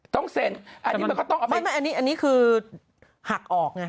ต้องเซ็นอันนี้มันก็ต้องเอาไม่ไม่อันนี้อันนี้คือหักออกไง